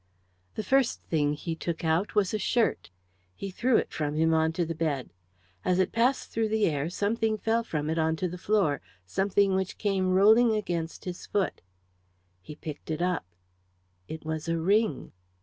The first thing he took out was a shirt. He threw it from him on to the bed. As it passed through the air something fell from it on to the floor something which came rolling against his foot. He picked it up. It was a ring.